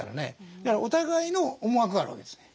だからお互いの思惑があるわけですね。